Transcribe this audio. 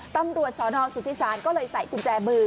ตำรวจสนสุธิศาลก็เลยใส่กุญแจมือ